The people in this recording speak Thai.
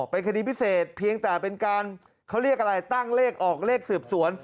เป็นคดีพิเศษเพียงแต่เป็นการเขาเรียกอะไรตั้งเลขออกเลขสืบสวน